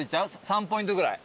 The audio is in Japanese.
３ポイントぐらい？